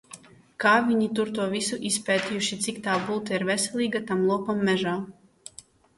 Kā viņi tur to visu izpētījuši, cik tā bulta ir veselīga tam lopam mežā.